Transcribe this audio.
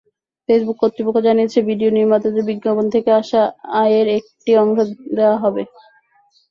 Facebook কর্তৃপক্ষ জানিয়েছে, video নির্মাতাদের বিজ্ঞাপন থেকে আসা আয়ের একটি অংশ দেওয়া হবে।